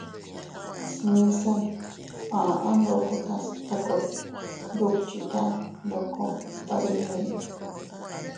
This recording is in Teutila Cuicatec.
Smise a aʼa ndokotas a kot duckhita ndoko tadimi.